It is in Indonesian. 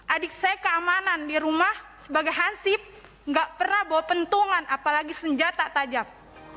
adik saya keamanan di rumah sebagai hansip nggak pernah bawa pentungan apalagi senjata tajam